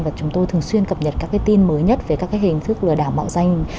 và chúng tôi thường xuyên cập nhật các cái tin mới nhất về các hình thức lừa đảo mạo danh